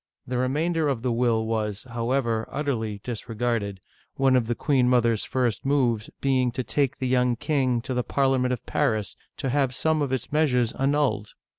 The remainder of the will was, however, utterly disregarded, one of the queen mother's first moves being to take the young king to the Parliament of Paris to have some of its meas ures annulled.